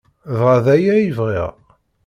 Dɣa d aya ay bɣiɣ.